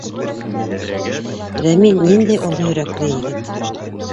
Рәмил ниндәй оло йөрәкле егет.